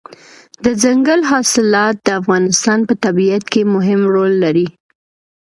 دځنګل حاصلات د افغانستان په طبیعت کې مهم رول لري.